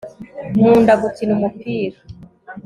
nkunda gukina umupira